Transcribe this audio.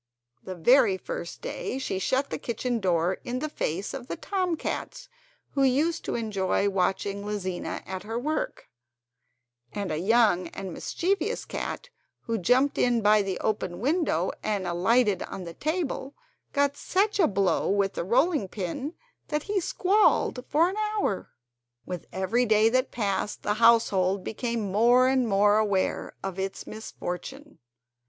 The very first day she shut the kitchen door in the face of the tom cats who used to enjoy watching Lizina at her work, and a young and mischievous cat who jumped in by the open kitchen window and alighted on the table got such a blow with the rolling pin that he squalled for an hour. With every day that passed the household became more and more aware of its misfortune.